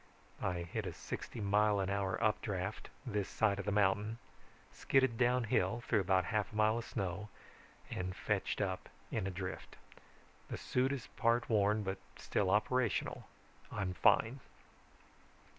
I hit a sixty mile an hour updraft this side of the mountain, skidded downhill through about half a mile of snow and fetched up in a drift. The suit is part worn but still operational. I'm fine.